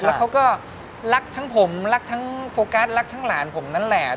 แล้วเขาก็รักทั้งผมรักทั้งโฟกัสรักทั้งหลานผมนั่นแหละ